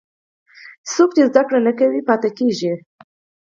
څوک چې زده کړه نه کوي، پاتې کېږي.